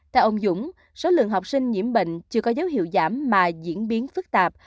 theo ông dũng số lượng học sinh nhiễm bệnh chưa có dấu hiệu giảm mà diễn biến phức tạp